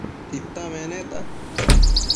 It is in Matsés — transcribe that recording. Tita meneta